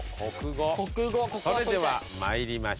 それでは参りましょう。